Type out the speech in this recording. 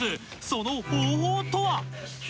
その方法とは